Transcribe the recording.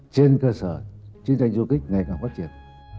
trên cơ sở chiến tranh du kích ngày càng phát triển